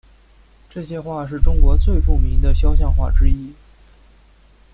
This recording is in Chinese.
这些画是中国最著名的肖像画之一。